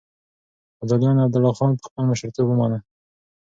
ابداليانو عبدالله خان په خپل مشرتوب ومنه.